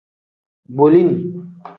Bolini.